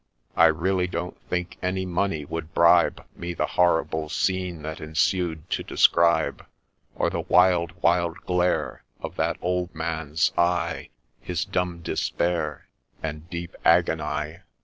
— I really don't think any money would bribe Me the horrible scene that ensued to describe, Or the wild, wild glare Of that old man's eye, His dumb despair, And deep agony.